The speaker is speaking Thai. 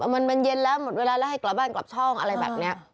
มันเย็นแล้วหมดเวลาแล้วให้กลับบ้านกลับช่องอะไรแบบนี้